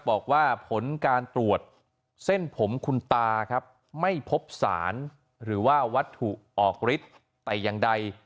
บอกว่าผลการตรวจเส้นผมคุณตาครับไม่พบสารหรือว่าวัตถุออกฤทธิ์แต่อย่างใด